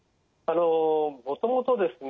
もともとですね